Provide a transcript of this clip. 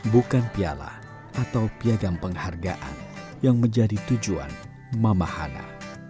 bukan piala atau piagam penghargaan yang menjadi tujuan mama hana